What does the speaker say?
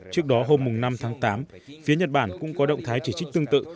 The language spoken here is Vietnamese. trước đó hôm năm tháng tám phía nhật bản cũng có động thái chỉ trích tương tự